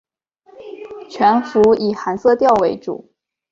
全幅以寒色调为主